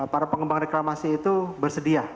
para pengembang reklamasi itu bersedia